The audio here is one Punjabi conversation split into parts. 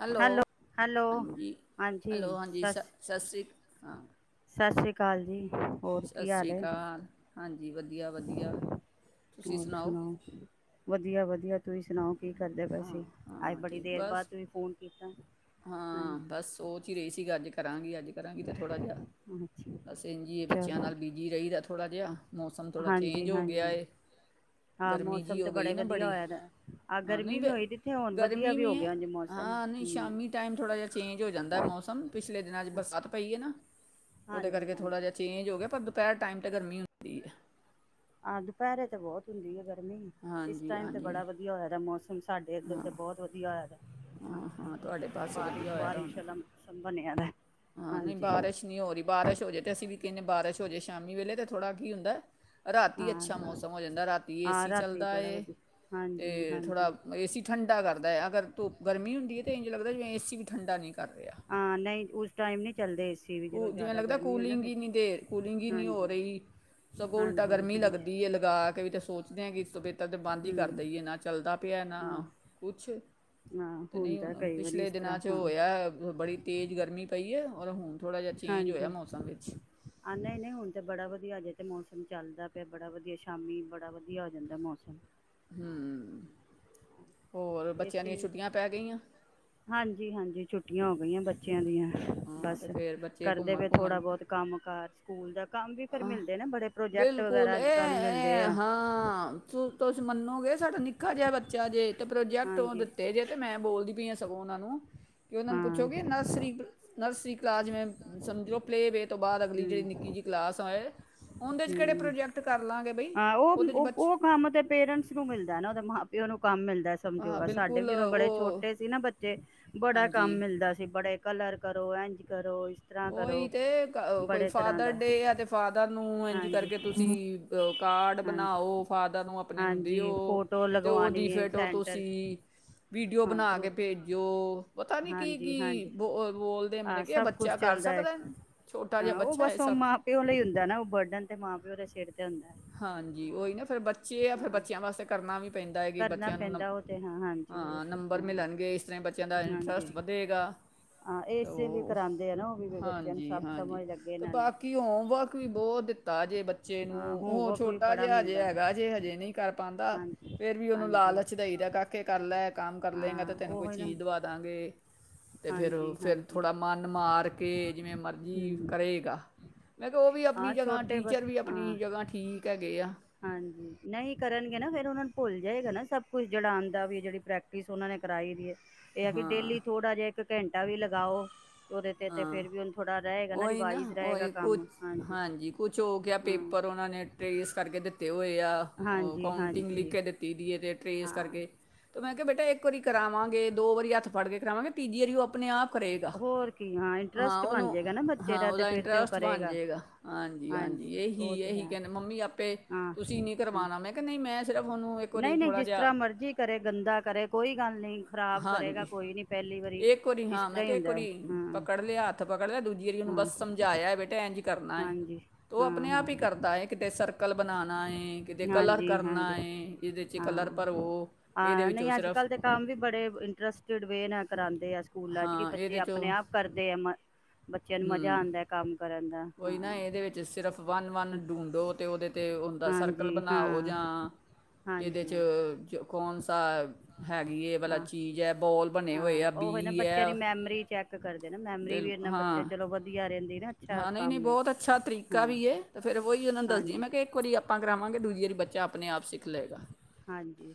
ਹੈਲੋ ਹਾਂਜੀ ਹਾਂਜੀ ਹੈਲੋ ਹਾਂਜੀ ਸ ਸਸ ਸਤਿ ਸ਼੍ਰੀ ਅ ਹਾਂ ਸਤਿ ਸ਼੍ਰੀ ਅਕਾਲ ਜੀ ਹੋਰ ਸਤਿ ਕੀ ਹਾਲ ਸ਼੍ਰੀ ਹੈ ਅਕਾਲ ਹਾਂਜੀ ਵਧੀਆ ਵਧੀਆ ਤੁਸੀਂ ਸੁਣਾਓ ਵਧੀਆ ਵਧੀਆ ਤੁਸੀਂ ਸੁਣਾਓ ਕੀ ਕਰਦੇ ਪਏ ਹਾਂ ਸੀ ਅੱਜ ਹਾਂ ਬੜੀ ਠੀਕ ਦੇਰ ਬਾਅਦ ਬਸ ਤੁਸੀਂ ਫੋਨ ਕੀਤਾ ਹਾਂਜੀ ਹਾਂ ਬਸ ਸੋਚ ਹੀ ਰਹੀ ਸੀ ਗੱਲ ਅੱਜ ਕਰਾਂਗੀ ਅੱਜ ਕਰਾਂਗੀ ਤੇ ਥੋੜਾ ਜਿਹਾ ਅੱਛਾ ਬਸ ਇੰਝ ਹੀ ਏ ਬੱਚਿਆਂ ਚਲੋ ਨਾਲ ਬਿਜੀ ਰਹੀਦੈ ਥੋੜਾ ਜਿਹਾ ਮੌਸਮ ਥੋੜ੍ਹਾ ਹਾਂਜੀ ਚੇਂਜ ਹੋ ਗਿਆ ਹਾਂਜੀ ਏ ਹਾਂ ਗਰਮੀ ਜਿਹੀ ਮੌਸਮ ਤੇ ਹੋ ਗਈ ਬੜੇ ਨਾ ਵਧੀਆ ਬੜੀ ਹੋਇਆ ਆਹ ਹਾਂ ਨਹੀਂ ਗਰਮੀ ਵੀ ਵੇ ਹੋਈ ਦੀ ਹੁਣ ਵਧੀਆ ਗਰਮੀ ਵੀ ਹੋ ਹੈ ਗਿਆ ਉੰਝ ਮੌਸਮ ਹਾਂ ਨਹੀਂ ਹਮ ਸ਼ਾਮੀ ਟਾਈਮ ਥੋੜਾ ਜਿਹਾ ਚੇਂਜ ਹੋ ਜਾਂਦਾ ਮੌਸਮ ਪਿਛਲੇ ਦਿਨਾਂ ਚਚ ਬਰਸਾਤ ਪਈ ਨਾ ਉਹਦੇ ਹਾਂਜੀ ਕਰਕੇ ਥੋੜਾ ਹਾਂਜੀ ਜਿਹਾ ਚੇਂਜ ਹੋ ਗਿਆ ਪਰ ਦੁਪਹਿਰ ਟਾਇਮ ਤੇ ਗਰਮੀ ਹੁੰਦੀ ਹੈ ਆਹ ਦੁਪਹਿਰੇ ਤੇ ਬਹੁਤ ਹੁੰਦੀ ਹੈ ਗਰਮੀ ਇਸ ਹਾਂਜੀ ਟਾਈਮ ਤੇ ਬੜਾ ਹਾਂਜੀ ਵਧੀਆ ਹੋਇਆ ਦਾ ਮੌਸਮ ਸਾਡੇ ਇੱਧਰ ਦੇ ਬਹੁਤ ਵਧੀਆ ਹੋਇਆ ਹਾਂ ਹਾਂ ਤੁਹਾਡੇ ਪਾਸੇ ਵਧੀਆ ਬਾਰਿਸ਼ ਹੋਇਆ ਦਾ ਬਾਰਿਸ਼ ਹੁਣ ਵਾਲਾ ਮੌਸਮ ਬਣਿਆ ਦਾ ਹਾਂ ਨਹੀਂ ਹਾਂਜੀ ਬਾਰਿਸ਼ ਨਹੀਂ ਹੋ ਰਹੀ ਬਾਰਿਸ਼ ਹੋ ਜੇ ਤੇ ਅਸੀਂ ਵੀ ਕਿਨ ਬਾਰਿਸ਼ ਹੋ ਜੇ ਸ਼ਾਮੀ ਵੇਲੇ ਤਾਂ ਥੋੜਾ ਕੀ ਹੁੰਦੈ ਰਾਤੀ ਹਾਂ ਅੱਛਾ ਮੌਸਮ ਹੋ ਜਾਂਦਾ ਰਾਤੀ ਹਾਂ ਏਸੀ ਰਾਤੀ ਚੱਲਦਾ ਬੜਾ ਏ ਵਧੀਆ ਹਾਂਜੀ ਤੇ ਥੋੜ੍ਹਾ ਹਾਂਜੀ ਏਸੀ ਠੰਡਾ ਕਰਦਾ ਏ ਅਗਰ ਤ ਗਰਮੀ ਹੁੰਦੀ ਹੈ ਤਾਂ ਇੰਝ ਲਗਦਾ ਜਿਵੇਂ ਏਸੀ ਵੀ ਠੰਡਾ ਨਹੀਂ ਕਰ ਰਿਹਾ ਹਾਂ ਨਹੀਂ ਉਸ ਟਾਈਮ ਨੀ ਚੱਲਦੇ ਏਸੀ ਵੀ ਜਦੋਂ ਕੂ ਜਿਵੇਂ ਜ਼ਿਆਦਾ ਲੱਗਦਾ ਗਰਮੀ ਹੋਏ ਨਾ ਕੂਲਿੰਗ ਫਿਰ ਹੀ ਨਹੀਂ ਦੇ ਕੂਲਿੰਗ ਹੀ ਨਹੀਂ ਹੋ ਹਾਂਜੀ ਰਹੀ ਸਗੋਂ ਉਲਟਾ ਹਾਂਜੀ ਗਰਮੀ ਹਾਂਜੀ ਲੱਗਦੀ ਏ ਲਗਾ ਕੇ ਵੀ ਤਾਂ ਸੋਚਦੇ ਹਾਂ ਕਿ ਇਸ ਤੋਂ ਬੇਹਤਰ ਤਾਂ ਬੰਦ ਹੀ ਕਰ ਹਮ ਦਈਏ ਨਾ ਚੱਲਦਾ ਭਿਆ ਨ ਹਾਂ ਕੁਛ ਹਾਂ ਤੇ ਨਹੀਂ ਹੁੰਦਾ ਹੁਣ ਕਈ ਵਾਰੀ ਪਿਛਲੇ ਇਸ ਤਰ੍ਹਾਂ ਦਿਨਾਂ ਚ ਉਹ ਹਾਂ ਹੋਇਆ ਬੜੀ ਤੇਜ਼ ਗਰਮੀ ਪਈ ਹੈ ਔਰਹੋਂ [unintelligible] [inaudible] ਹਾਂਜੀ ਆ ਨਹੀਂ ਨਹੀਂ ਹੁਣ ਤੇ ਬੜਾ ਵਧੀਆ ਜੇ ਤੇ ਮੌਸਮ ਚੱਲਦਾ ਪਿਆ ਬੜਾ ਵਧੀਆ ਸ਼ਾਮੀ ਬੜਾ ਵਧੀਆ ਹੋ ਜਾਂਦਾ ਮੌਸਮ ਹੂੰ ਹੋਰ ਬੱਚਿਆਂ ਦੀਆਂ ਏਸੀ ਛੁੱਟੀਆਂ ਪੈ ਗਈਆਂ। ਹਾਂਜੀ ਹਾਂਜੀ ਛੁੱਟੀਆਂ। ਹੋ ਗਈਆਂ ਬੱਚਿਆਂ ਦੀਆਂ ਹਾਂ ਬਸ। ਅਤੇ ਫਿਰ ਬੱਚੇ ਕਰਦੇ ਪਏ ਥੋੜ੍ਹਾ ਬਹੁਤ ਕੰਮ ਘਰ ਸਕੂਲ ਦਾ। ਕੰਮ ਵੀ ਫਿਰ ਆ ਮਿਲਦੇ ਨਾ ਬੜੇ ਪ੍ਰੋਜੈਕਟ ਬਿਲਕੁਲ ਵਗੈਰਾ ਅੱਜ ਕੱਲ੍ਹ ਮਿਲਦੇ ਇਹ ਆ ਹਾਂ ਤੁਸੀਂ ਮੰਨੋਗੇ ਸਾਡਾ ਨਿੱਕਾ ਜਿਹਾ ਬੱਚਾ ਜੇ ਤੇ ਪ੍ਰੋਜੈਕਟ ਹਾਂਜੀ ਦਿੱਤੇ ਜੇ ਤੇ ਮੈਂ ਬੋਲਦੀ ਪਈ। ਸਗੋਂ ਉਹਨਾਂ ਨੂੰ। ਕਿ ਉਹਨਾਂ ਨੂੰ ਹਾਂ ਪੁੱਛੋ ਕਿ ਨਰਸਰੀ ਨਰਸਰੀ ਕਲਾਜ ਮੇ। ਸਮਝੋ ਪਲੇ ਵੇ। ਤੋਂ ਬਾਅਦ ਅਗਲੀ ਜੇਹੀ ਨਿੱਕੀ ਜੀ। ਹਾਏ। ਹੂੰ ਬਈ ਹਾਂ ਉਹ ਉਹਦੇ 'ਚ ਬੱਚ ਉਹ ਕੰਮ ਤੇ ਪੇਰੈਂਟਸ ਨੂੰ ਮਿਲਦਾ ਨਾ ਉਹਦੇ ਮਾ। ਤੇ ਉਹਨੂੰ। ਕੰਮ ਮਿਲਦਾ ਸਮਝੋ ਹਾਂ ਆ ਸਾਡੇ ਵੀ ਬਿਲਕੁਲ ਜਦੋਂ ਬੜੇ ਉਹ ਛੋਟੇ ਸੀ ਨਾ ਬੱਚੇ ਬੜਾ ਕੰਮ ਹਾਂਜੀ ਮਿਲਦਾ ਸੀ ਬੜੇ। ਕਲਰ ਕਰੋ ਇੰਝ ਕਰੋ। ਤਰ੍ਹਾਂ ਉਹੀ ਕਰੋ ਤੇ ਕੋਈ ਬੜੇ ਤਰ੍ਹਾਂ ਫਾਦਰ ਦਾ ਡੇ ਆ ਤੇ ਫਾਦਰ ਨੂੰ। ਇੰਝ ਹਾਂਜੀ ਕਰਕੇ ਤੁਸੀਂ ਕਾਰਡ ਹਾਂਜੀ ਬਣਾਓ ਫਾਦਰ ਨੂੰ ਆਪਣੇ ਨੂੰ ਦਿਓ ਹਾਂਜੀ ਫੋਟੋ ਅਤੇ ਉਹਦੀ ਲਗਵਾਉਣੀ ਹੈ ਫੋਟੋ ਸੈਂਟਰ 'ਚ, ਤੁਸੀਂ ਵੀਡੀਓ ਹਾਂ ਬਣਾ ਗਰੁੱਪ ਕੇ ਭੇਜੋ। ਪਤਾ ਨੀ ਕੀ ਹਾਂਜੀ ਕੀ ਹਾਂਜੀ ਬੋ ਬੋਲਦੇ ਹਾਂ ਮੈਨੇ ਕੀ ਸਭ ਬੱਚੇ। ਚੱਲਦਾ ਹੈ ਹਾਂ ਉਹ ਹੈ ਬਸ ਉਹ ਸਭ ਮਾਂ ਪਿਓ ਲਈ ਹੁੰਦਾ ਨਾ ਉਹ ਬਰਡਨ ਤੇ ਮਾਂ ਪਿਓ ਦੇ ਸਿਰ। ਤੇ ਹੁੰਦਾ ਹੈ ਹਾਂਜੀ ਹਾਂ ਉਹੀ ਨਾ ਫੇਰ ਬੱਚੇ ਆ ਫੇਰ ਹਾਂ ਬੱਚਿਆਂ ਵਾਸਤੇ ਕਰਨਾ ਵੀ। ਪੈਂਦਾ ਹੈ ਕਿ ਕਰਨਾ ਬੱਚਿਆਂ ਨੂੰ ਨੰ ਪੈਂਦਾ ਉਹ ਤੇ ਹਾਂ ਹਾਂਜੀ ਉਹ ਹਾਂ ਤੇ ਨੰਬਰ ਹਾਂ ਮਿਲਣਗੇ ਇਸ ਤਰ੍ਹਾਂ ਬੱਚਿਆਂ ਦਾ ਹਾਂਜੀ ਇੰਟਰਸਟ ਵਧੇਗਾ ਹਾਂ ਤੇ ਇਸੇ ਲਈ ਉਹ ਕਰਾਉਂਦੇ ਆ ਨਾ ਉਹ ਵੀ ਬੱਚਿਆਂ ਨੂੰ ਹਾਂਜੀ ਸਭ ਹਾਂਜੀ ਸਮਝ ਲੱਗੇ ਅਤੇ ਨਾਲੇ ਬਾਕੀ ਹੋਮਵਰਕ ਵੀ ਬਹੁਤ ਦਿੱਤਾ ਜੇ ਬੱਚੇ ਹਾਂ ਨੂੰ। ਉਹ ਹੋਮਵਰਕ ਵੀ ਛੋਟਾ ਬੜਾ ਜਿਹਾ ਹਜੇ ਮਿਲਦਾ ਹੈਗਾ ਜੇ ਹਜੇ ਨਹੀਂ ਕਰ ਪਾਉਂਦਾ ਹਾਂਜੀ ਫੇਰ। ਵੀ ਉਹਨੂੰ ਹਾਂਜੀ ਲਾਲਚ ਦਈ ਦਾ ਕਾਕੇ ਕਰ ਲਾ। ਕਰ ਲੈਂਗਾ ਹਾਂ ਤਾਂ ਤੈਨੂੰ ਕੋਈ ਉਹੀ ਨਾ ਚੀਜ਼ ਦਵਾ ਦਾਂਗੇ। ਤੇ ਫੇਰ ਹਾਂਜੀ ਫਿਰ ਹਾਂਜੀ ਥੋੜ੍ਹਾ ਮਨ ਮਾਰ ਕੇ ਜਿਵੇਂ ਮਰਜ਼ੀ ਹਮ ਕਰੇਗਾ ਮੈਂ ਕਿਹਾ ਉਹ ਵੀ ਆਪਣੀ ਹਾਂ ਜਗ੍ਹਾ ਛੋਟੇ ਬਸ ਟੀਚਰ ਵੀ ਹਾਂ ਆਪਣੀ ਜਗ੍ਹਾ। ਕਹਿ ਗਏ ਆ। ਹਾਂਜੀ ਨਹੀਂ ਕਰਨਗੇ ਨਾ ਫੇਰ ਉਹਨਾਂ ਨੂੰ ਭੁੱਲ ਜਾਏਗਾ ਨਾ ਸਭ ਕੁਛ ਜਿਹੜਾ ਆਉਂਦਾ ਵੀ ਜਿਹੜੀ ਪ੍ਰੈਕਟਿਸ ਉਹਨਾਂ ਨੇ ਕਰਾਈ ਦੀ ਹੈ। ਇਹ ਹੈ ਕਿ ਹਾਂ ਡੇਲੀ ਥੋੜਾ ਜਿਹਾ। ਇੱਕ ਘੰਟਾ ਵੀ ਲਗਾਓ। ਉਹਦੇ ਤੇ ਤੇ ਹਾਂ ਫੇਰ ਵੀ ਹੁਣ ਥੋੜਾ ਰਹੇਗਾ ਉਹੀ ਨਾ ਰਿਵਾਈਜ਼ ਰਹੇਗਾ ਉਹੀ ਕੁਛ ਕੰਮ ਹਾਂਜੀ ਕੁਛ ਹੋ ਗਿਆ ਹਾਂ ਪੇਪਰ ਉਹਨਾਂ ਨੇ ਟਰੇਸ ਕਰਕੇ ਦਿੱਤਾ। ਹੋਏ ਉਹ ਹਾਂਜੀ ਕੰਊਟਿੰਗ ਲਿਖ ਹਾਂਜੀ ਕੇ ਦਿੱਤੀ ਦੀ ਹੈ ਤੇ। ਟਰੇਸ ਹਾਂ ਕਰਕੇ ਤੇ ਮ ਮੈਂ ਕਿਹਾ ਬੇਟਾ ਇੱਕ ਵਾਰੀ ਕਰਾਵਾਂਗੇ, ਦੋ ਵਾਰੀ ਹੱਥ ਫੜ ਕੇ ਕਰਾਵਾਂਗੇ, ਤੀਜੀ ਵਾਰੀ ਉਹ ਆਪੇ ਆਪਣੇ ਆਪ ਕਰੇਗਾ। ਹੋਰ ਕੀ ਹਾਂ, ਇੰਟਰਸਟ ਬਣ ਜਾਵੇਗਾ ਨਾ ਬੱਚੇ ਹਾਂ ਦਾ, ਤਾਂ ਉਹਦਾ ਫਿਰ ਤਾਂ ਉਹ ਇੰਟਰਸਟ ਬਣ ਕਰੇਗਾ। ਜਾਏਗਾ ਹਾਂਜੀ, ਇਹੀ ਉਹ ਤਾਂ ਇਹੀ ਹੈ। ਕਹਿੰਦੇ ਮੰਮੀ ਆਪੇ ਹਾਂ। ਤੁਸੀਂ ਨਹੀਂ ਕਰਵਾਉਣਾ ਮੈਂ ਕਿਹਾ ਨਹੀਂ ਮੈਂ ਸਿਰਫ ਉਹਨੂੰ ਇੱਕ ਵਾਰੀ ਨਹੀਂ, ਨਹੀਂ ਥੋੜ੍ਹਾ ਜਿਸ ਜਿਹਾ ਤਰ੍ਹਾਂ ਮਰਜ਼ੀ ਕਰੇ। ਗੰਦਾ ਕਰੇ। ਕੋਈ ਗੱਲ ਨਹੀਂ। ਖ਼ਰਾਬ ਕਰੇਗਾ, ਹਾਂਜੀ ਕੋਈ ਨੀ, ਪਹਿਲੀ ਵਾਰੀ। ਇੱਕ ਇਸ ਤਰ੍ਹਾਂ ਹੀ ਹੁੰਦਾ ਞਾਰੀ, ਹਾਂ ਪਕੜ ਲਿਆ ਹੱਥ ਪਕੜ ਲਿਆ ਦੂਜੀ ਵਾਰੀ ਉਹਨੂੰ ਹਾਂ ਬਸ ਸਮਝਾਇਆ, ਬੇਟਾ ਇਂਝ ਕਰਨਾ ਹੈ, ਹਾਂਜੀ ਤੇ ਉਹ ਹਾਂ ਆਪਣੇ ਆਪ ਹੀ ਹਾਂ ਕਰਦਾ, ਕਿਤੇ ਸਰਕਲ ਬਣਾਉਣਾ, ਕਿਤੇ ਕਲਰ ਹਾਂਜੀ ਕਰਨਾ, ਹਾਂਜੀ ਇਹਦੇ ਚ ਹਾਂ ਕਲਰ ਭਰੋ, ਇਹਦੇ ਵਿੱਚੋਂ ਸਿਰਫ ਟਰਸਟਿਡ ਵੇਡ ਨਾਲ ਕਰਾਂਗੇ। ਸਕੂਲਾਂ 'ਚ ਕਿ ਹਾਂ ਬੱਚੇ ਇਹਦੇ 'ਚੋਂ ਆਪਣੇ ਆਪ ਕਰਦੇ ਆ, ਮ ਬੱਚਿਆਂ ਨੂੰ ਹੂੰ, ਮਜਾ ਆਉਂਦਾ ਹੈ, ਕੰਮ ਕਰਨ ਦਾ ਕੋਈ ਨਾ, ਹਾਂ ਇਹਦੇ ਵਿੱਚ ਸਿਰਫ ਵੰਨ ਵੰਨ ਡੂੰਡੋ, ਅਤੇ ਉਹਦੇ ' ਉਹਦਾ ਸਰਕਲ ਹਾਂਜੀ ਬਣਾਓ, ਹਾਂ ਜਾਂ ਇਹਦੇ ਹਾਂਜੀ 'ਚ ਕੌਣ ਸ ਹੈਗੀ, ਹੈ ਵਾਲਾ ਹਾਂ ਚੀਜ਼ ਹੈ, ਬੋਲ ਬਣੇ ਹੋਏ ਹਾਂ, ਆ ਉਹ ਨਾ ਬੀ ਬੱਚਿਆਂ ਹੈ ਦੀ ਮੈਮਰੀ ਚੈੱਕ ਕਰਦੇ ਨੇ। ਮੈਮਰੀ ਵੀ ਬਿਲਕੁਲ ਇਨਾਂ ਬੱਚਿਆਂ, ਹਾਂ ਚਲੋ ਵਧੀਆ [unintelligible] ਹਾਂ, ਨਹੀਂ, ਨਹੀਂ, ਕੰਮ ਹੈ ਬਹੁਤ ਅੱਛਾ ਤਰੀਕਾ ਹਾਂ ਵੀ ਹੈ, ਤੇ ਫਿਰ ਉਹੀ ਉਹਨਾਂ ਨੂੰ ਦੱਸਦੀ, ਮੈਂ ਹਾਂਜੀ ਕਿਹਾ ਇੱਕ ਵਾਰੀ ਆਪਾਂ ਕਰਾਵਾਂਗੇ, ਦੂਜੀ ਵਾਰੀ ਬੱਚੇ ਹਾਂਜੀ,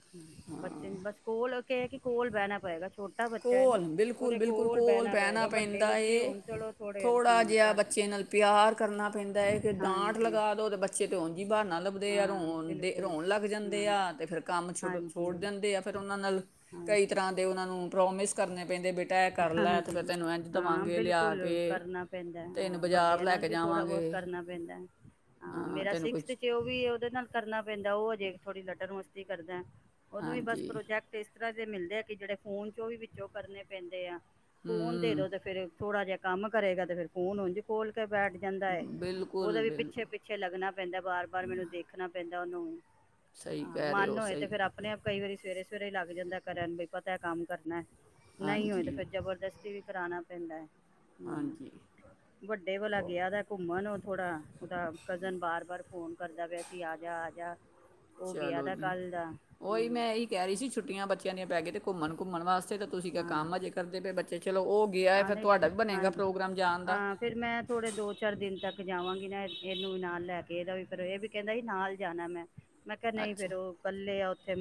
ਬੱਚੇ ਬਸ ਸਕੂਲ ਕਿ ਕੋਲ ਬਹਿਣਾ ਪਏਗਾ। ਛੋਟਾ ਬੱਚਾ ਹੈ ਕੋਲ, ਨਾ ਬਿਲਕੁਲ, ਉਹਦੇ ਬਿਲਕੁਲ, ਕੋਲ ਬਹਿਣਾ ਪਏਗਾ ਵੱਡੇ ਪੈਂਦਾ ਬੱਚੇ ਏ, ਹੋਣ ਚਲੋ ਥੋੜੇ ਥੋੜਾ ਹਾਂ ਜਿਹਾ ਕਰ ਬੱਚੇ ਨਾਲ ਪਿਆਰ ਕਰਨਾ ਪੈਂਦਾ ਹੈ, ਕਿ ਡਾਂਟ ਹਾਂਜੀ ਲਗਾ ਦੋ ਤੇ ਬੱਚੇ ਤੇ ਹੋਰ ਬਹਾਨਾ ਲੱਭਦੇ ਆ ਹਾਂ ਰੋਣ ਦੇ ਬਿਲਕੁਲ ਰੋਣ ਲੱਗ ਜਾਂਦੇ ਹਾਂਜੀ ਆ, ਤੇ ਫਿਰ ਕੰਮ ਛੋ ਛੋੜ ਹਾਂਜੀ ਜਾਂਦੇ ਆ, ਫਿਰ ਉਹਨਾਂ ਨਾਲ, ਹਾਂ ਕਈ ਤਰ੍ਹਾਂ ਦੇ ਉਹਨਾਂ ਨੂੰ ਪ੍ਰੋਮਿਸ ਕਰਨੇ ਪੈਂਦੇ ਬੇਟਾ ਇਹ ਕਰ ਲੈ ਤੇ ਫਿਰ ਹਾਂਜੀ, ਤੈਨੂੰ ਇੰਝ ਹਾਂ, ਦਵਾਂਗੇ ਲਿਆ ਬਿਲਕੁਲ, ਕੇ ਕਰਨਾ ਪੈਂਦਾ, ਤੈਨੂੰ ਹਾਂ, ਬਾਜ਼ਾਰ ਵੱਡਿਆਂ ਲੈ ਨਾਲ ਕੇ ਵੀ ਥੋੜਾ ਬਹੁਤ ਜਾਵਾਂਗੇ ਕਰਨਾ ਪੈਂਦਾ, ਹਾਂ, ਮੇਰਾ ਤੈਨੂੰ ਕੁਝ ਸਿਕਸਥ ਚ ਉਹ ਵੀ ਉਹਦੇ ਨਾਲ ਕਰਨਾ ਪੈਂਦਾ। ਹੋਰ। ਜੇ ਥੋੜੀ ਲਟ ਮਸਤੀ ਕਰਦਾ, ਉਦੋਂ ਵੀ, ਬਸ ਹਾਂਜੀ ਪ੍ਰੋਜੈਕਟ ਇਸ ਤਰ੍ਹਾਂ ਦੇ ਮਿਲਦੇ ਆ, ਕਿ ਜਿਹੜੇ ਫੋਨ ਚੋਂ, ਉਹ ਵੀ ਵਿੱਚੋਂ ਕਰਨੇ ਪੈਂਦੇ ਆ। ਫੋਨ ਦੇ ਹੂੰ ਦੋ ਤੇ ਫ਼ਿਰ, ਥੋੜਾ ਜਿਹਾ ਕੰਮ ਕਰੇਗਾ, ਤੇ ਫਿਰ ਫੋਨ ਉਝ ਕੋਲ ਬੈਠ ਜਾਂਦਾ ਹੈ। ਬਿਲਕੁਲ ਉਹਦਾ ਵੀ ਪਿੱਛੇ- ਬਿਲਕੁਲ ਪਿੱਛੇ ਲੱਗਣਾ ਪੈਂਦਾ, ਬਾਰ ਬਾਰ ਮੈਨੂੰ ਦੇਖਣਾ ਪੈਂਦਾ। ਚਨ [unintelligible] ਸਹੀ ਆਹ, ਕਹਿ ਰਹੇ ਮਨ ਹੋ ਹੋਏ ਤੇ ਸਹੀ ਫੇਰ, ਆਪਣੇ ਆਪ ਕਈ ਵਾਰੀ ਸਵੇਰੇ ਚਿਰ ਲੱਗ ਜਾਂਦਾ ਕਰਨ ਨੂੰ, ਫਿਰ ਪਤਾ ਹੈ ਕੰਮ ਕਰਨਾ। ਨਹੀਂ ਹੋਏ ਤਾਂ, ਹਾਂਜੀ ਫਿਰ ਜ਼ਬਰਦਸਤੀ ਵੀ ਕਰਾਣਾ ਪੈਂਦਾ ਹੈ। ਹਮ। ਹਾਂਜੀ ਵੱਡੇ ਵਾਲ ਗਿਆ ਦਾ ਘੁੰਮਣ। ਥੋੜਾ ਉਹਦਾ ਕਜ਼ਨ ਵਾਰ ਵਾਰ ਫੋਨ ਕਰਦਾ ਵੀ ਅਸੀਂ ਆ ਜਾ ਆ ਜਾ ਉਹ ਗਿਆ ਚਲੋ ਦਾ ਜੀ ਕੱਲ ਦਾ ਹੂੰ ਓਹੀ ਮੈਂ ਇਹੀ ਕਹਿ ਰਹੀ ਸੀ ਛੁੱਟੀਆਂ ਬੱਚਿਆਂ ਦੀਆਂ ਪੈ ਗ ਤੇ ਘੁੰਮਣ ਘੁੰਮਣ ਵਾਸਤੇ ਤਾਂ ਤੁਸੀਂ ਕ ਕੰਮ ਹਜੇ ਕਰਦੇ ਪਏ ਬੱਚੇ, ਚਲੋ ਉਹ ਗਿਆ ਹੈ ਆਹ ਫਿਰ ਤੁਹਾਡਾ ਨਹੀਂ ਵੀ ਬਣੇਗਾ ਹਾਂਜੀ ਪ੍ਰੋਗਰਾਮ ਜਾਣ ਦਾ ਹਾਂ ਫਿਰ ਮੈਂ ਥੋੜੇ ਦੋ ਚਾਰ ਦਿਨ ਤੱਕ ਜਾਵਾਂਗੀ ਨਾ ਇਹਨੂੰ ਨਾਲ ਲੈ ਕੇ ਇਹਦਾ ਵੀ ਫਿਰ ਇਹ ਵੀ ਕਹਿੰਦਾ ਨਾਲ ਜਾਣਾ ਮੈਂ, ਮੈਂ ਕਿਹਾ ਨਹੀਂ ਅੱਛਾ ਫੇਰ ਉਹ ਇਕੱਲੇ ਆ, ਥੇ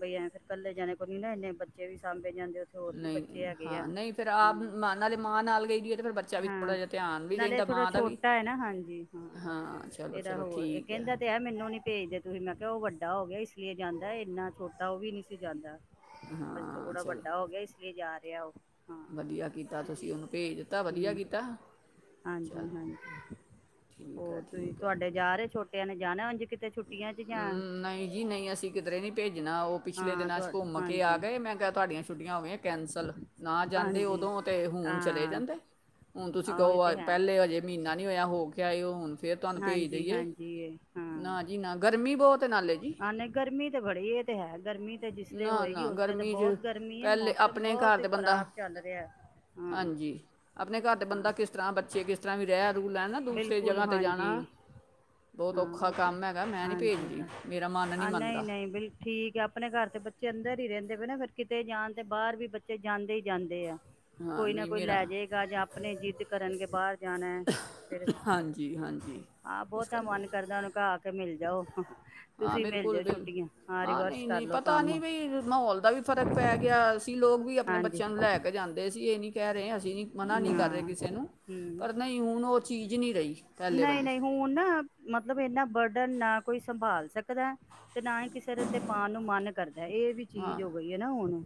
ਬਈ ਆਂ ਫੇਰ ਕੱਲੇ ਜਾਣੇ ਕੋਲ ਨ ਨਾ ਇੰਨੇ ਬੱਚੇ ਵੀ ਸ ਜਾਂਦੇ ਉੱਥੇ ਹੋਰ ਵੀ ਬੱਚੇ ਹੈਗੇ ਆ। ਆਪਨਾਂ ਦੇ ਮਾਂ ਨਾਲ ਗਈ ਦੀ ਹੈ ਤੇ ਫਿਰ ਬੱਚਾ ਵੀ ਹਾਂ ਥੋੜਾ ਜਿਹਾ ਧਿਆਨ ਵੀ ਨਾਲੇ ਰਹਿੰਦਾ ਥੋੜਾ ਮਾਂ ਦਾ ਵੀ ਛੋਟਾ ਹੈ ਨਾ ਹਾਂਜੀ ਹਾਂ ਚਲੋ ਇਹਦਾ ਚਲੋ ਹੋਰ ਇਹ ਠੀਕ ਆ। ਕਹਿੰਦਾ ਛੋਟਾ ਹੋ ਗਿਆ ਇਸ ਲਈ ਜਾਂਦਾ ਇੰਨਾ ਛੋਟਾ ਉਹ ਵੀ ਨੀ ਸੀ ਜਾਂਦਾ। ਬਸ ਹਾਂ ਥੋੜਾ ਚਲੋ ਵੱਡਾ ਹੋ ਗਿਆ ਇਸ ਲਈ ਜਾ ਰਿਹਾ ਉਹ ਵਧੀਆ ਕੀਤਾ ਤੁਸੀਂ ਉਹਨੂੰ ਭੇਜ ਦਿੱਤਾ ਵਧੀਆ ਹ ਕੀਤਾ ਚਲੋ ਹਾਂਜੀ-ਹਾਂਜੀ ਠੀਕ ਹੈ ਹੋਰ ਤੁਸੀਂ ਤੁਹਾਡੇ ਜਾ ਰਹੇ ਛੋਟਿਆਂ ਨੇ ਜਾਣਾ। ਕਿਤੇ ਛੁੱਟੀਆਂ ਚ ਹੂੰ ਜਾਂ ਨਹੀਂ ਜੀ ਨਹੀਂ ਅਸੀਂ ਕਿਧਰੇ ਨਹੀਂ ਭੇਜਣਾ ਉਹ ਪਿਛਲੇ ਹਾਂ ਦਿਨਾਂ ਚ ਤੁਹਾ ਘੁੰਮ ਕੇ ਆ ਹਾਂਜੀ ਗਏ ਮੈਂ ਕਿਹਾ ਤੁਹਾਡੀਆਂ ਛੁੱਟੀਆਂ ਹੋ ਗਿਆ ਕੈਂਸਲ ਨਾ ਜਾਂਦੇ। ਹਾਂਜੀ ਉਦੋਂ ਤੇ ਹੁਣ ਚਲੇ ਹਾਂ ਜਾਂਦੇ ਹੁਣ ਤੁਸੀਂ ਆਹੋ ਇਹ ਕਹੋ ਤੇ ਹੈ ਪਹਿਲੇ ਹਜੇ ਮਹੀਨਾ ਨੀ ਹੋਇਆ ਹੋ ਕੇ ਆਏ ਹੁਣ ਫੇਰ ਤੁਹਾਨੂੰ ਭੇਜ ਦਈਏ ਹਾਂਜੀ-ਹਾਂਜੀ ਹਾਂ, ਨਾ ਜੀ ਨਾ ਗਰਮੀ ਬਹੁਤ ਨਾਲੇ ਜੀ, ਹਾਂ ਨਹੀਂ ਗਰਮੀ ਤੇ ਬੜੀ ਇਹ ਤੇ ਹੈ ਗਰਮੀ ਤੇ ਜਿਸਲੇ ਹੋਏਗੀ ਨਾ-ਨਾ ਉਸਲੇ ਤੇ ਗਰਮੀ ਚ ਬਹੁਤ ਗਰਮੀ ਹੈ ਪਹਿਲੇ ਮੌਸਮ ਆਪਣੇ ਘਰ ਬਹੁਤ ਦਾ ਬੰਦਾ ਖ਼ਰਾਬ ਚੱਲ ਰਿਹਾ ਹਾਂ ਹਾਂਜੀ ਆਪਣੇ ਘਰ ਦਾ ਹਾਂ ਬੰਦਾ ਕਿਸ ਤਰ੍ਹਾਂ ਬੱਚੇ ਕਿਸ ਤਰ੍ਹਾਂ ਵੀ ਰਹਿ, ਰ ਲੈ ਨਾ ਦੂਸਰੇ ਬਿਲਕੁਲ ਜਗ੍ਹਾ 'ਤੇ ਹਾਂਜੀ ਜਾਣਾ ਬਹੁਤ ਹਾਂ ਔਖਾ ਉਹ ਤੇ ਕੰਮ ਹੈਗਾ ਮੈਂ ਨੀ ਹਾਂਜੀ ਭੇਜਦੀ ਹਾਂ ਮੇਰਾ ਮਨ ਨੀ ਹਾਂ ਨਹੀਂ ਮੰਨਦਾ। ਨਹੀਂ ਬਿਲ ਠੀਕ ਹੈ ਆਪਣੇ ਘਰ ਤੇ ਬੱਚੇ ਅੰਦਰ ਹੀ ਰਹਿੰਦੇ ਪਏ ਨਾ ਫਿਰ ਕਿਤੇ ਜਾਣ ਤੇ ਬਾਹਰ ਵੀ ਬੱਚੇ ਜਾਂਦੇ ਹੀ ਜਾਂਦੇ ਆ। ਹਾਂ ਕੋਈ ਨਾ ਨਹੀਂ ਕੋਈ ਮੇਰਾ ਲੈ ਜਾਏਗਾ ਜਾਂ ਆਪਣੇ ਜਿੱਦ ਕਰਨਗੇ। [unintelligible] ਜਾਣਾ ਐ। ਹਾਂਜੀ-ਹਾਂਜੀ ਇਸ ਕਰਕੇ, ਮਨ ਕਰਦਾ ਉਹਨੂੰ ਕਹਾ ਮਿਲ ਜਾਓ, ਹਾਂ ਤੁਸੀਂ ਮਿਲ ਜਾਓ ਬਿਲਕੁਲ-ਬਿਲਕੁਲ ਛੁੱਟੀਆਂ ਹਾਂ ਰਿਵਰਸ ਕਰ ਨਹੀਂ-ਨਹੀਂ ਲਓ ਪਤਾ ਨੀ ਕੰਮ ਵੀ ਮਾਹੌਲ ਦਾ ਵੀ ਫ਼ਰਕ ਪੈ ਗਿਆ ਅਸੀਂ ਲੋਕ ਵੀ ਆਪਣੇ ਹਾਂਜੀ ਬੱਚਿਆਂ ਨੂੰ ਲੈ ਕੇ ਜਾਂਦੇ ਸੀ ਇਹ ਨੀ ਕਹਿ ਰਹੇ। ਮਨਾ ਨੀ ਕਰ ਰਹੇ ਹਾਂ ਕਿਸੇ ਨੂੰ ਹਮ ਪਰ ਨਹੀਂ ਹੁਣ ਉਹ ਚੀਜ਼ ਨੀ ਰਹੀ। ਪਹਿਲੇ ਵਾਲੀ ਨਹੀਂ-ਨਹੀਂ ਹੁਣ ਨਾ ਮਤਲਬ ਇਨਾ ਬਰਡਨ ਨਾ, ਕੋਈ ਸੰਭਾਲ ਸਕਦਾ ਹੈ ਤੇ ਨਾ ਹੀ ਕਿਸੇ ਤੇ ਪਾਣ ਨੂੰ ਮਨ ਕਰਦਾ। ਹੈ। ਇਹ ਵੀ ਚੀਜ਼ ਹਾਂ ਹੋ ਗਈ ਹੈ ਨਾ ਹੁਣ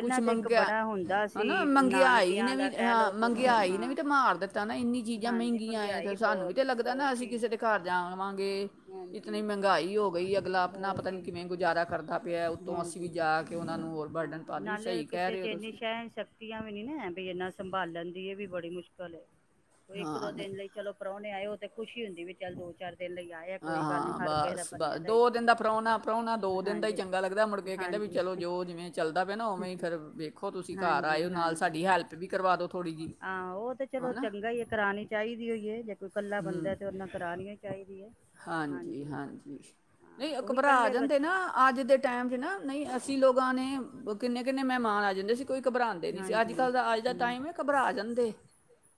ਕੁਛ ਤੇ ਇੱਕ ਮੰਗਿਆ ਬੜਾ ਹੁੰਦਾ ਹਨਾ ਸੀ ਮੰਗਿਆਈ ਨਾਨਕਿਆਂ ਨੇ ਦਾ ਵੀ ਕਹਿ ਹਾਂ ਲਓ ਕੁਛ ਮੰਗਿਆਈ ਨੇ ਵੀ ਹਾਂ ਤੇ ਮਾਰ ਦਿੱਤਾ ਨਾ ਇੰਨੀ ਚੀਜ਼ਾਂ ਹਾਂਜੀ ਮਹਿੰਗੀਆਂ। ਮਹਿੰਗਾਈ ਸਾਨੂੰ ਵੀ ਬਹੁਤ ਤਾਂ ਹੈ। ਲੱਗਦਾ ਹੋਰ ਨਾ ਅਸੀਂ ਕੀ ਕਿਸੇ ਦੇ ਘਰ ਜਾ ਲਵਾਂਗੇ ਇਤਨੀ ਹਾਂਜੀ ਮਹਿੰਗਾਈ ਹੋ ਗਈ ਅਗਲਾ ਆਪਣਾ ਹੋਰ ਪਤਾ ਕੀ ਨਹੀਂ ਕਿਵੇਂ ਗੁਜ਼ਾਰਾ ਕਰਦਾ ਪਿਆ। ਉੱਤੋਂ ਅਸੀਂ ਵੀ ਹਾਂਜੀ ਜਾ ਕੇ ਉਹਨਾਂ ਨੂੰ ਹੋਰ ਹਾਂ ਬਰਡਨ ਪਾ ਲਈ ਨਾਲੇ ਸਹੀ ਕਹਿ ਕਿਸੇ ਰਹੇ ਚ ਹੋ ਇੰਨੀ ਤੁਸੀਂ ਸ਼ਹਿ ਸ਼ਕਤੀਆਂ ਵੀ ਨੀ ਨਾ ਵੀ ਇਨਾ ਸੰਭਾਲਣ ਦੀ ਇਹ ਵੀ ਬੜੀ ਮੁਸ਼ਕਲ ਇੱਕ ਦੋ ਹਾਂ ਨਹੀਂ ਦਿਨ ਲਈ ਚਲੋ ਪ੍ਰਾਹਣੇ ਆਏ ਉਹ ਤਾਂ ਖੁਸ਼ੀ ਹੁੰਦੀ ਵੀ ਚੱਲ ਦੋ ਚਾਰ ਦਿਨ ਲਈ ਆਏ ਆ ਹਾਂ ਕੋਈ ਗੱਲ ਨੀ ਹਾਂ ਹਰ ਕਿਸੇ ਦਾ ਬਸ ਬਸ ਬਣਿਆ ਇਸ ਦੋ ਦਿਨ ਤਰ੍ਹਾਂ ਦਾ ਫਰਾਾਹੁਣਾ ਫਰਾਹੁੁਣਾ ਦੋ ਦਿਨ ਦਾ ਹੀ ਹਾਂਜੀ ਚੰਗਾ ਲੱਗਦਾ ਮੁੜਕੇ ਕਹਿੰਦਾ ਵੀ ਹਾਂਜੀ ਚਲੋ ਜੋ ਜਿਵੇਂ ਚੱਲਦਾ ਪਿਆ ਨਾ ਉਵੇਂ ਹੀ ਫਿਰ ਵੇਖੋ ਤੁਸੀਂ ਘਰ ਹਾਂਜੀ ਆਇਓ ਨਾਲ ਹਾਂਜੀ ਸਾਡੀ ਹੈਲਪ ਵੀ ਕਰਵਾ ਦੋ ਥੋੜ੍ਹੀ ਜਿਹੀ ਹਾਂ ਉਹ ਤੇ ਚਲੋ ਹੈ ਨਾ ਚੰਗਾ ਹੀ ਹੈ ਕਰਾਉਣੀ ਚਾਹੀਦੀ ਹੋਈ ਹੈ ਜੇ ਕੋਈ ਇਕੱਲਾ ਬੰਦਾ ਤਾਂ ਉਹ ਨਾਲ ਕਰਣੀੀ ਚਾਹੀਦੀ ਹੈ ਹਾਂਜੀ ਹਾਂਜੀ ਹਾਂ ਨਹੀਂ ਉਹ ਉਹੀ ਘਬਰਾ ਆ ਇਕੱਲੇ ਜਾਂਦੇ ਬੱਚੇ ਨਾ ਅੱਜ ਦੇ ਟਾਈਮ ਚ ਨਾ ਨਹੀਂ ਅਸੀਂ ਲੋਕ ਣੇ ਕਿੰਨੇ ਕਿੰਨੇ ਮਹਿਮਾਨ ਆ ਜਾਂਦੇ ਸੀ। ਕੋਈ ਘਬਰਾਉਂਦੇ ਨੀ ਸੀ ਅੱਜ ਹਾਂਜੀ ਕੱਲ੍ਹ ਦਾ ਅੱਜ ਦਾ ਹਮ ਟਾਈਮ ਹੈ ਘਬਰਾ ਜਾਂਦੇ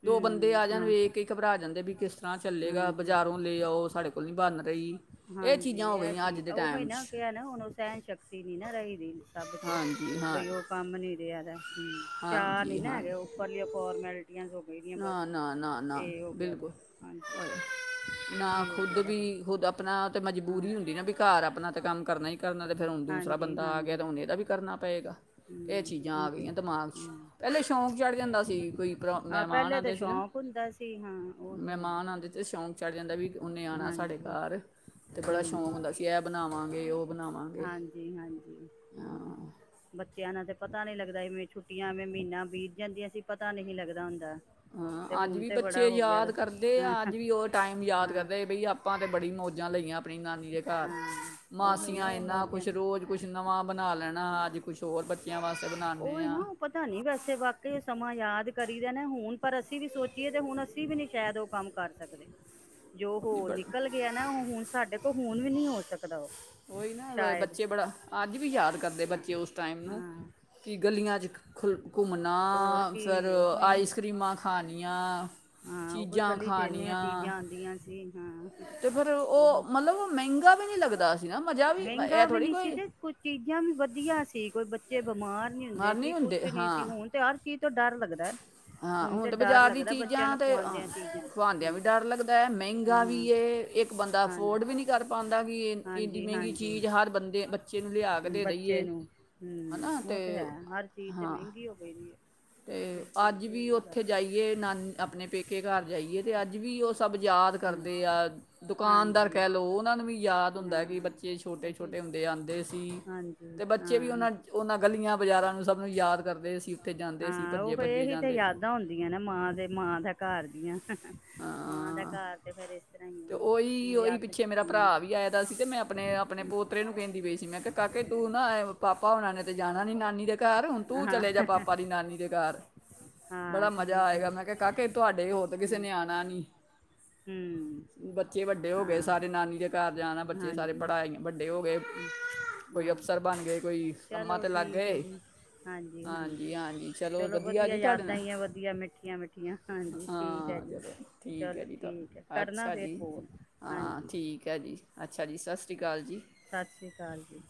ਦੋ ਬੰਦੇ ਹਮ ਆ ਜਾਣ ਹਾਂ ਵੇਖ ਕੇ ਹੀ ਘਬਰਾ ਜਾਂਦੇ ਵੀ ਕਿਸ ਤਰ੍ਹਾਂ ਚੱਲੇਗਾ ਹਾਂਜੀ ਬਜ਼ਾਰੋਂ ਲੈ ਆਓ ਸਾਡੇ ਕੋਲ ਨਹੀਂ ਬਣ ਰਹੀ ਇਹ ਹਾਂਜੀ ਚੀਜ਼ਾਂ ਹੋ ਇਹ ਗਈਆਂ ਚੀ ਅੱਜ ਦੇ ਹੀ ਟਾਈਮ 'ਚ ਨਾ ਨਾ ਹੁਣ ਸਹਿਣ ਸ਼ਕਤੀ ਨੀ ਨਾ ਰਹੀਦੀ ਸਭ ਚ ਹਾਂਜੀ ਹਾਂ ਬਈ ਉਹ ਕੰਮ ਨੀ ਰਿਹਾ ਦਾ ਹਮ ਚਾਹ ਨੀ ਹਾਂਜੀ ਨਾ ਹਾਂ ਹੈਗੇ ਉੱਪਰਲੀ ਫੋਰਮੈਲ ਨਾ ਨਾ ਨਾ ਨਾ ਹੋ ਗਿਆ ਦਾ ਬਿਲਕੁਲ ਹਾਂਜੀ ਨਾ ਇਹੀ ਹੋ ਖੁਦ ਗਿਆ ਦਾ ਬਸ। ਵੀ ਖੁਦ ਆਪਣਾ ਤੇ ਹਾਂ ਮਜਬੂਰੀ ਹੁੰਦੀ ਨਾ ਵੀ ਘਰ ਆਪਣਾ ਤੇ ਕੰਮ ਕਰਨਾ ਹੀ ਕਰਨਾ ਤੇ ਫਿਰ ਹੁਣ ਦੂਸਰਾ ਹਾਂਜੀ ਬੰਦਾ ਆ ਗਿਆ ਤੇ ਹਾਂਜੀ ਹੁਣ ਇਹਦਾ ਵੀ ਕਰਨਾ ਪਏਗਾ ਇਹ ਹਮ ਚੀਜ਼ਾਂ ਉਹ ਆ ਤੇ ਗਈਆਂ ਦਿਮਾਗ 'ਚ ਹਾਂ ਪਹਿਲੇ ਸ਼ੌਂਕ ਚੜ੍ਹ ਜਾਂਦਾ ਸੀ ਕੋਈ ਪ੍ਰੋ ਹਾਂ ਮਹਿਮਾਂ ਪਹਿਲੇ ਤਾਂ ਬਉਂਦੇ ਸੀ ਨਾ ਸ਼ੌਕ ਹੁੰਦਾ ਸੀ ਹਾਂ ਉਹ ਤੇ ਹੈ ਮੈਂਮਾਂ ਬਉਂਦੇ ਸੀ ਸ਼ੌਂਕ ਚੜ੍ਹ ਜਾਂਦਾ ਵੀ ਓਨੇ ਆਉਣਾ ਸਾਡੇ ਹਾਂਜੀ ਘਰ ਤੇ ਬੜਾ ਸ਼ੌਂਕ ਹਮ ਹੁੰਦਾ ਸੀ ਇਹ ਬਣਾਵਾਂਗੇ ਉਹ ਬਣਾਵਾਂਗੇ ਹਾਂਜੀ ਹਾਂਜੀ ਹਾਂ ਨ ਨਹੀਂ ਲੱਦਾਏ ਛੁੱਟੀਆਂ ਐਵੇਂ ਮਹੀਨਾ ਬੀਤ ਜਾਂਦੀਆਂ ਸੀ ਪਤਾ ਨਹੀਂ ਲੱਗਦਾ ਹੁੰਦਾ ਤੇ ਹਾਂ ਅੱਜ ਹੁਣ ਵੀ ਤੇ ਬੱਚੇ ਬੜਾ ਹੋ ਗਿਆ ਯਾਦ ਦਾ। ਕਰਦੇ ਹਾਂ ਅੱਜ ਵੀ ਉਹ ਟਾਈਮ ਯਾਦ ਹਾਂ ਕਰਦੇ ਬਈ ਆਪਾਂ ਤੇ ਬੜੀ ਮੌਜਾਂ ਲਈਆਂ ਆਪਣੀ ਨਾਨੀ ਦੇ ਘਰ ਹਾਂ ਉਹੀ ਨਾ ਮਾਸੀਆਂ ਉਹ ਇੰਨਾ ਮੌਜਾਂ ਕੁਛ ਰੋਜ਼ ਕੁਛ ਨਵਾਂ ਬਣਾ ਲੈਣਾ ਹਾਂ ਅੱਜ ਕੁਛ ਹੋਰ ਬੱਚਿਆਂ ਵਾਸਤੇ ਬਣਾਉਂਦੇ ਉਹੀ ਹਾਂ ਨਾ ਉਹ ਪਤਾ ਨੀ ਵੈਸੇ ਵਾਕਈ ਸਮਾਂ ਯਾਦ ਕਰੀ ਦਾ ਨਾ ਹੁਣ ਪਰ ਅਸੀਂ ਵੀ ਸੋਚੀਏ ਤੇ ਹੁਣ ਅਸੀਂ ਵੀ ਨੀ ਸ਼ਾਇਦ ਉਹ ਕੰਮ ਕਰ ਸਕਦੇ ਜੋ ਜੀ ਉਹ ਬੜਾ ਨਿਕਲ ਗਿਆ ਨਾ ਉਹ ਹੁਣ ਸਾਡੇ ਕੋਲ ਹੋੁਣ ਵੀ ਨਹੀਂ ਹੋ ਸਕਦਾ ਉਹ ਉਓਹੀ ਨਾ ਸ਼ਾਇਦ ਬੱਚੇ ਬੜਾ ਅੱਜ ਵੀ ਯਾਦ ਕਰਦੇ ਹਾਂ ਬੱਚੇ ਉਸ ਟਾਈਮ ਨੂੰ ਹਾਂ ਕਿ ਗਲੀਆਂ ਚ ਖੁੱਲ ਘੁੰਮਣਾ ਹੋਰ ਫਿਰ ਕੀ ਉਹੀ ਨਾ ਆਈਸ ਕ੍ਰੀਮਾਂ ਖਣੀਆਂ ਹਾਂ ਉਹੀ ਚੀਜ਼ਾਂ ਗਲੀ ਚ ਇੰਨੀਆਂ ਖਾਣੀਆਂ ਚੀਜ਼ਾਂ ਆਉਂਦੀਆਂ ਸੀ ਹਾਂ ਤੇ ਫੇਿਰ ਉਹ ਮਤਲਬ ਮਹਿੰਗਾ ਵੀ ਨਹੀਂੀ ਲੱਗਦਾ। ਸੀ ਨਾ ਮਜ਼ਾ ਵੀ ਇਹ ਮਹਿੰਗਾ ਵੀ ਥੋੜੀ ਨੀ ਸੀ, ਕੋਈ ਤੇ ਕੁ ਚੀਜ਼ਾਂ ਵੀ ਵਧੀਆ ਸੀ। ਕੋਈ ਬੱਚੇ ਬਿਮਾਰ ਨੀ ਹੁੰਦੇ ਮਾਰ ਸੀ ਨਹੀਂ ਕੁਛ ਨੀ ਸੀ ਹਾਂ ਹੁਣ ਤੇ ਹਰ ਚੀਜ਼। ਤੋਂ ਡਰ ਲੱਗਦਾ ਹਾਂ ਹੁਣ ਤੇ ਡਰ ਬਾਜ਼ਾਰ ਦੀ ਲੱਗਦਾ ਬੱਚੇ ਚੀਜ਼ਾਂ ਖਵਾਉਂਦਿਆਂ ਵੀ ਡਰ ਲੱਗਦਾ ਏ ਮਹਿੰਗਾ ਵੀ ਹਾਂ ਏ ਇੱਕ ਬੰਦਾ ਹਾਂਜੀ ਅਫੋਰਡ ਵੀ ਨਹੀਂੀ ਕਰ ਪਾਉਂਦਾ। ਕਿ ਇਹ- ਇੰਨੀ ਹਾਂਜੀ ਮਹਿੰਗੀ ਹਾਂਜੀ ਚੀਜ਼ ਹਰ ਬੰਦੇ ਬੱਚੇ ਨੂੰ ਲਿਆ ਕੇ ਦੇ ਦਈਏ ਬੱਚੇ ਨੂੰ ਹੈ ਨਾ ਹਮ ਅਤੇ ਉਹ ਤੇ ਹੈ ਹਰ ਚੀਜ਼ ਤੇ ਹਾਂ ਮਹਿੰਗੀ ਹੋ ਗਈ ਏ। ਅਤੇ ਅੱਜ ਵੀ ਉੱਥੇ ਜਾਈਏ ਨਾਨ ਆਪਣੇ ਪੇਕੇ ਘਰ ਜਾਈਏ ਅਤੇ ਅੱਜ ਵੀ ਉਹ ਸਭ ਹੂੰ ਕਰਦੇ ਆ ਦੁਕਾਨਦਾਰ ਹਾਂਜੀ ਕਹਿ ਲਓ ਉਹਨਾਂ ਨੂੰ ਵੀ ਯਾਦ ਹੁੰਦਾ ਕਿ ਹਾਂ ਬੱਚੇ ਛੋਟੇ ਉਹੀ ਛੋਟੇ ਹੁੰਦੇ ਆਉਂਦੇ ਸੀ ਹਾਂਜੀ ਅਤੇ ਬੱਚੇ ਵੀ ਹਾਂ ਉਹਨਾਂ ਉਹਨਾਂ ਗਲੀਆਂ ਬਾਜ਼ਾਰਾਂ ਨੂੰ ਸਭ ਨੂੰ ਯਾਦ ਕਰਦੇ ਸੀ ਉੱਥੇ ਜਾਂਦੇ ਸੀ ਹਾਂ ਭੱਜੇ ਉਹ ਭੱਜੇ ਇਹੀ ਤੇ ਜਾਂਦੇ ਯਾਦਾਂ ਹੁੰਦੀਆਂ ਨਾ ਮਾਂ ਦੇ ਮਾਂ ਦੇ ਘਰ ਦੀਆਂ। ਮਾਂ ਦਾ। ਹਾਂ ਘਰ ਤੇ ਫੇਰ ਇਸ ਤਰ੍ਹਾਂ ਤੇ ਹੀ ਉਹੀ ਹੈ ਉਹੀ ਯਾਦ ਪਿੱਛੇ ਮੇਰਾ ਭਰਾ ਵੀ ਹੂੰ ਆਏ ਦਾ ਸੀ ਤੇ ਮੈਂ ਆਪਣੇ ਆਪਣੇ ਪੋਤਰੇ ਨੂੰ ਕਹਿੰਦੀ ਪਈ ਸੀ, ਮੈਂ ਕਿਹਾ ਕਾਕੇ ਤੂੰ ਨਾ ਪਾਪਾ ਹੋਨਾ ਨੇ ਤੇ ਜਾਣਾ ਨੀ ਨਾਨੀ ਦੇ ਘਰ ਹੁਣ ਤੂੰ ਹਾਂ ਚਲੇ ਜਾ ਪਾਪਾ ਦੀ ਨਾਨੀ ਦੇ ਘਰ ਹਾਂ ਬੜਾ ਮਜ਼ਾ ਠੀਕ ਹੈ ਆਏਗਾ ਮੈਂ ਕਿਹਾ ਕਾਕੇ ਤੁਹਾਡੇ ਹੋਰ ਤੇ ਕਿਸੇ ਨਿਆਣੇ। ਨਾਨੀ ਹੂੰ ਬੱਚੇ ਵੱਡੇ ਹੋ ਗਏ ਹਾਂ ਸਾਰੇ ਨਾਨੀ ਦੇ ਘਰ ਜਾਣਾ ਬੱਚੇ ਸਾਰੇ ਹਾਂਜੀ ਪੜ੍ਹਾਏ ਵੱਡੇ ਹੋ। ਕੋਈ ਹਾਂ ਅਫਸਰ ਬਣਗੇਏ ਕੋਈ। ਕੰਮਾਂ ਚਲੋ ਤੇ ਲੱਗ ਠੀਕ ਹੈ ਗਏ ਜੀ ਹਾਂਜੀ ਹਾਂਜੀ ਚਲੋ ਵਧੀਆ ਯਾਦਾਂ ਹੀ ਆ ਵਧੀਆ ਮਿੱਠੀਆਂ ਮਿੱਠੀਆਂ ਹਾਂਜੀ ਠੀਕ ਹੈ ਹਾਂ ਜੀ। ਚਲੋ ਠੀਕ ਹੈ ਚਲੋ ਜੀ ਤੁ ਠੀਕ ਹੈ ਕਰਨਾ ਅੱਛਾ ਫਿਰ ਜੀ ਫੋਨ ਹਾਂ ਹਾਂਜੀ ਠੀਕ ਹੈ ਜੀ ਅੱਛਾ ਜੀ ਸਸ। ਸਤਿ ਸ਼੍ਰੀ ਅਕਾਲ ਜੀ।